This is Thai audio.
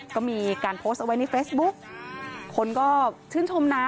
ก็มีการโพสต์เอาไว้ในเฟซบุ๊กคนก็ชื่นชมนะ